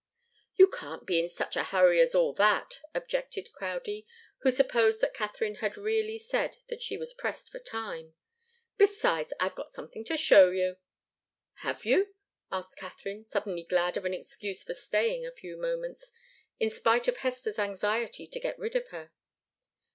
"You can't be in such a hurry as all that," objected Crowdie, who supposed that Katharine had really said that she was pressed for time. "Besides, I've got something to show you." "Have you?" asked Katharine, suddenly glad of an excuse for staying a few moments, in spite of Hester's anxiety to get rid of her.